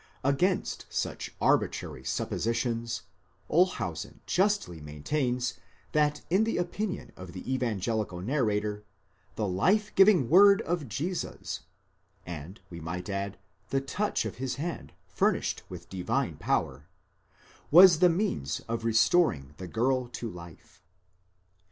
8 Against such arbitrary suppositions, Olshausen justly maintains that in the opinion of the evangelical narrator the life giving word of Jesus (and we might add, the touch of his hand, furnished with divine power) was the means of restoring the girl to life.